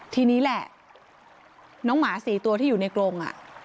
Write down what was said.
ทีนี้แหละน้องหมา๔ตัวที่อยู่ในกรง